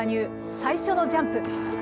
最初のジャンプ。